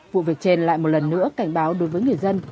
vụ việc trên lại một lần nữa cảnh báo đối với người dân